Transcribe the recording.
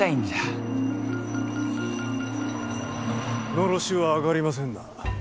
のろしは上がりませんな。